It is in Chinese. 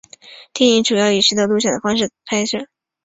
电影主要以拾得录像的方式拍摄。